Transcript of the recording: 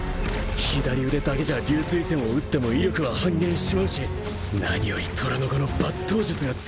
左腕だけじゃ龍槌閃を撃っても威力は半減しちまうし何より虎の子の抜刀術が使えねえ